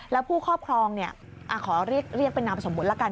แล้วผู้ครอบครองขอเรียกเป็นนามสมมุติละกัน